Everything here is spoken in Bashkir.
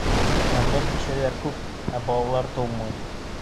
Яңғыҙ бисәләр күп, ә балалар тыумай.